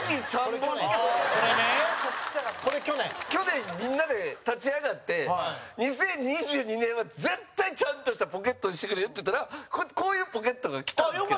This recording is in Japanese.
高橋：去年みんなで立ち上がって「２０２２年は絶対ちゃんとしたポケットにしてくれよ」って言ったらこういうポケットがきたんですけど。